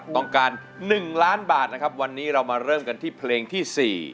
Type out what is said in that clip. ต้องการ๑ล้านบาทนะครับวันนี้เรามาเริ่มกันที่เพลงที่๔